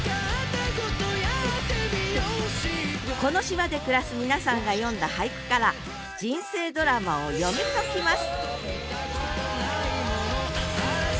この島で暮らす皆さんが詠んだ俳句から人生ドラマを読み解きます！